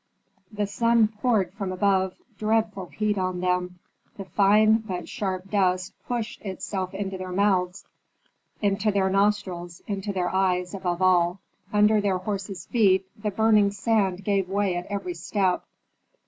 The sun poured from above dreadful heat on them, the fine but sharp dust pushed itself into their mouths, into their nostrils, into their eyes above all; under their horses' feet the burning sand gave way at every step.